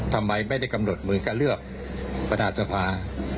ทำไมไม่ได้กำหนดเหมือนการเลือกประธานสภา